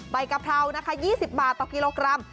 กะเพรานะคะ๒๐บาทต่อกิโลกรัม